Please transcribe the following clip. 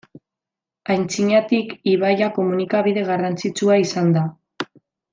Antzinatik ibaia komunikabide garrantzitsua izan da.